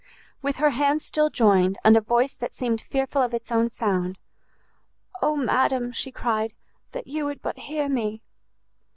With her hands still joined, and a voice that seemed fearful of its own sound, "Oh madam," she cried, "that you would but hear me!"